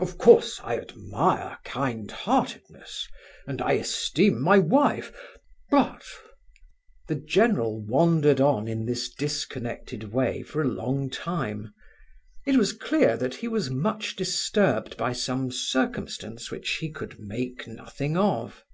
Of course I admire kind heartedness, and I esteem my wife, but—" The general wandered on in this disconnected way for a long time; it was clear that he was much disturbed by some circumstance which he could make nothing of.